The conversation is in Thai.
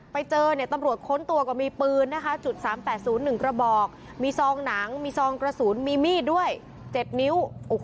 ไปเจอเนี่ยตำรวจค้นตัวก็มีปืนนะคะจุด๓๘๐๑กระบอกมีซองหนังมีซองกระสุนมีมีดด้วย๗นิ้ว